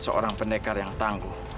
seorang pendekar yang tangguh